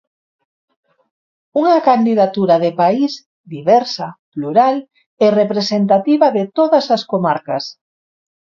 Unha candidatura de país, diversa, plural e representativa de todas as comarcas.